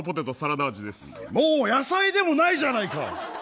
もう野菜でもないじゃないか！